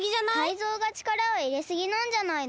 タイゾウがちからをいれすぎなんじゃないの？